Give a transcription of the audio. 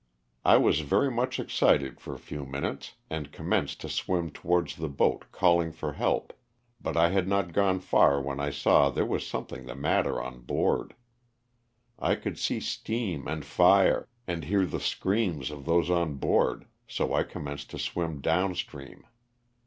I was very much excited for a few LOSS OF THE SULTAN^A. 35^^ minutes and commenced to swim towards the boat calling for help, but I had not gone far when I saw there was something the matter on board. I could see steam and fire and hear the screams of those on board, so I commenced to swim down stream.